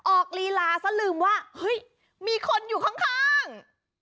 ลีลาซะลืมว่าเฮ้ยมีคนอยู่ข้าง